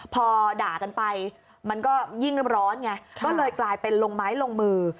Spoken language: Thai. พอด่ากันไปมันก็ยิ่งร้อนไงก็เลยกลายเป็นลงไม้ลงมือ